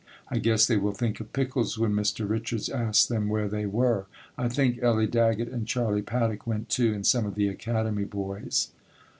I guess they will think of pickles when Mr. Richards asks them where they were. I think Ellie Daggett and Charlie Paddock went, too, and some of the Academy boys.